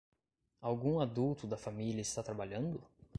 Algum adulto da família está trabalhando?